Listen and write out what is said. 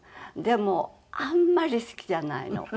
でもあんまり好きじゃないの。